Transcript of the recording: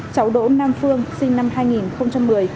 cháu đỗ nam phương sinh năm hai nghìn một mươi